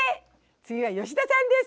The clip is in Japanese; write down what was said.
次は吉田さんです！